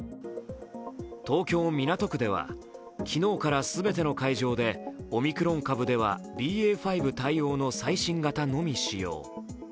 東京・港区では、昨日から全ての会場でオミクロン株ではＢＡ．５対応の最新型のみ使用。